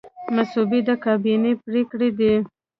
مصوبې د کابینې پریکړې دي